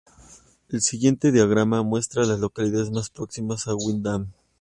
El siguiente diagrama muestra a las localidades más próximas a Wyndham.